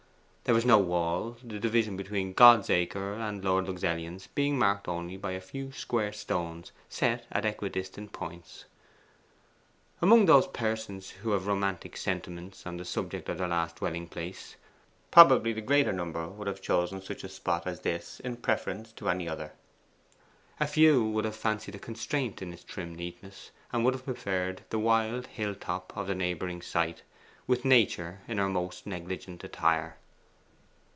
There was no wall, the division between God's Acre and Lord Luxellian's being marked only by a few square stones set at equidistant points. Among those persons who have romantic sentiments on the subject of their last dwelling place, probably the greater number would have chosen such a spot as this in preference to any other: a few would have fancied a constraint in its trim neatness, and would have preferred the wild hill top of the neighbouring site, with Nature in her most negligent attire.